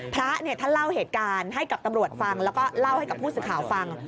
พระท่านเล่าเหตุการณ์ให้กับตำรวจฟังแล้วก็เล่าให้กับผู้สื่อข่าวฟัง